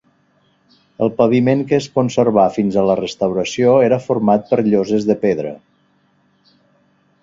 El paviment que es conservà fins a la restauració era format per lloses de pedra.